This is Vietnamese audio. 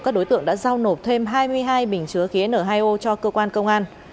các đối tượng đã giao nộp thêm hai mươi hai bình chứa khí n hai o cho cơ quan công an